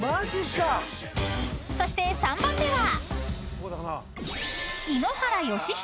［そして３番目は］